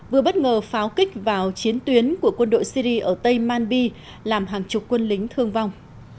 vừa bất ngờ pháo kích vào chiến tuyến của quân đội syri ở tây manbi làm hàng chục quân lính thương vong